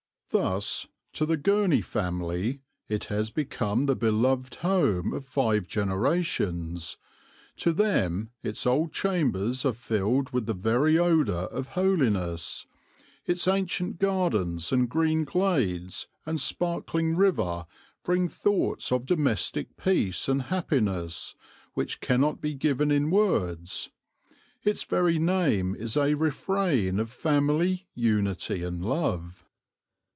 Thus, to the Gurney family, it has become the beloved home of five generations; to them its old chambers are filled with the very odour of holiness; its ancient gardens and green glades and sparkling river bring thoughts of domestic peace and happiness, which cannot be given in words; its very name is a refrain of family unity and love.